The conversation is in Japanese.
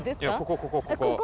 ここここここ。